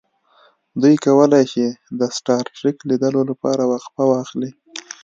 دوی کولی شي د سټار ټریک لیدلو لپاره وقفه واخلي